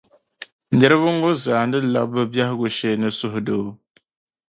niriba ŋɔ zaa ni lab’ bɛ biɛhigu shee ni suhudoo.